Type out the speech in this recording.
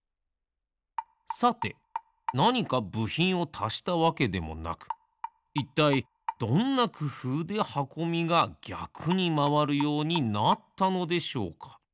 さてなにかぶひんをたしたわけでもなくいったいどんなくふうではこみがぎゃくにまわるようになったのでしょうか？